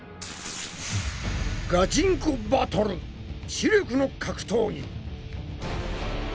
ガチンコバトル知力の格闘技！